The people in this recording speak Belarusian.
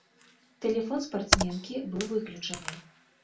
Тэлефон спартсменкі быў выключаны.